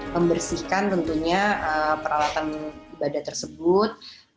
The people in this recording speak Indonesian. membersihkan tentunya peralatan ibadah tersebut